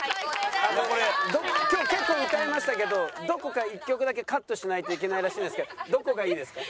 今日結構歌いましたけどどこか１曲だけカットしないといけないらしいんですけどどこがいいですか？